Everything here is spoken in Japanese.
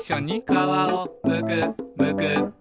「かわをむくむく」